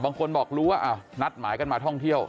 บางคนบอกรู้ว่านัดหมายกันมาท่องเที่ยว